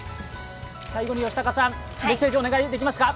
最後に吉高さん、メッセージをお願いできますか？